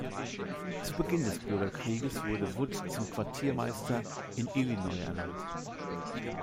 Zu Beginn des Bürgerkrieges wurde Wood zum Quartiermeister in Illinois ernannt.